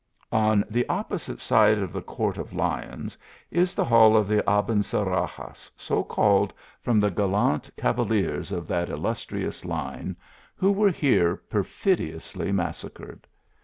v On the opposite side of the court of Lions, is the hall of the Abencerrages/so called from the gallant cavaliers of that illustrious line, who were here per l&TERl Qa OF THE ALHAMBRA. 87 ficliously massacred.